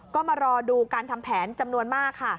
ก็มารอดูการทำแผนจำนวนมากค่ะ